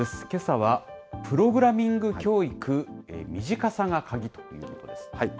けさは、プログラミング教育、身近さが鍵ということです。